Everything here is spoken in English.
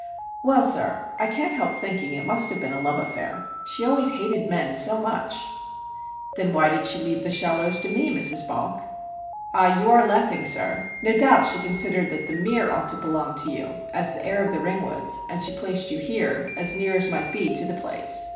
"Well, sir, I can't help thinking it must have been a love affair. She always hated men so much." "Then why did she leave The Shallows to me, Mrs. Balk?" "Ah, you are laughing, sir. No doubt she considered that The Mere ought to belong to you, as the heir of the Ringwoods, and she placed you here, as near as might be to the place."